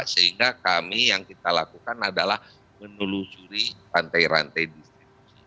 sehingga kami yang kita lakukan adalah menelusuri rantai rantai distribusi